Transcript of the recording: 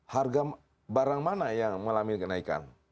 harga barang mana yang mengalami kenaikan